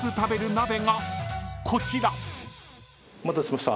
［こちら］お待たせしました。